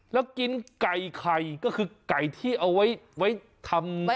แล้วกินไก่ไข่ก็คือไก่ที่เอาไว้ทำ